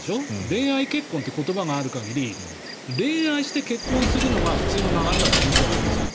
恋愛結婚という言葉がある限り恋愛して結婚するのが普通の流れだと思ってるんですよ。